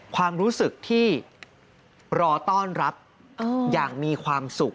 ความรู้สึกที่รอต้อนรับอย่างมีความสุข